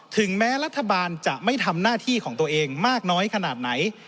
ถึงแม้รัฐบาลจะไม่ทำหน้าที่ของตัวเองมากน้อยขนาดไหน